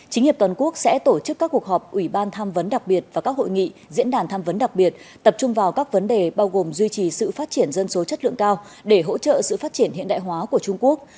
chính hiệp toàn quốc sẽ tổ chức các cuộc họp ủy ban tham vấn đặc biệt và các hội nghị diễn đàn tham vấn đặc biệt tập trung vào các vấn đề bao gồm duy trì sự phát triển dân số chất lượng cao để hỗ trợ sự phát triển hiện đại hóa của trung quốc